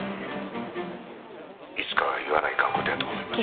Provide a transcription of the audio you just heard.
いつかは言わないかんことやと思います